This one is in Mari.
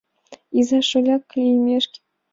Изак-шоляк лиймешке